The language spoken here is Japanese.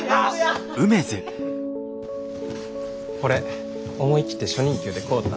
これ思い切って初任給で買うた。